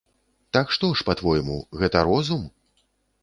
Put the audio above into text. Так што ж па-твойму, гэта розум?